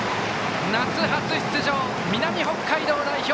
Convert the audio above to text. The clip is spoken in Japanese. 夏初出場、南北海道代表